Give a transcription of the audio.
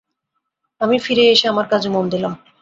আমি ফিরে এসে আমার কাজে মন দিলাম।